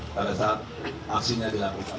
pada saat aksinya dilakukan